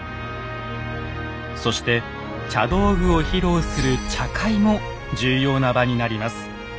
そして茶道具を披露する「茶会」も重要な場になります。